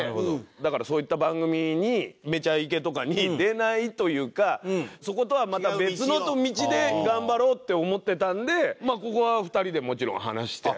だからそういった番組に『めちゃイケ』とかに出ないというかそことはまた別の道で頑張ろうって思ってたんでまあここは２人でもちろん話して。